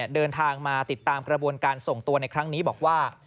เดินทางมาติดตามกระบวนการส่งตัวในครั้งนี้บอกว่า